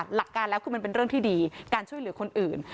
หลักการแล้วคือมันเป็นเรื่องที่ดีการช่วยเหลือคนอื่น